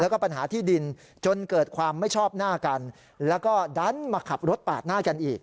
แล้วก็ปัญหาที่ดินจนเกิดความไม่ชอบหน้ากันแล้วก็ดันมาขับรถปาดหน้ากันอีก